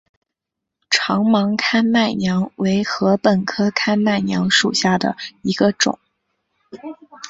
长芒看麦娘为禾本科看麦娘属下的一个种。